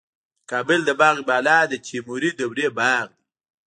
د کابل د باغ بالا د تیموري دورې باغ دی